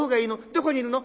どこにいるの？」。